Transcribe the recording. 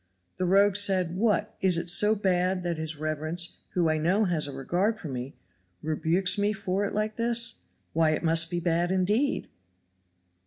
The rogue said: "What! is it so bad that his reverence, who I know has a regard for me, rebukes me for it like this? why, it must be bad indeed!"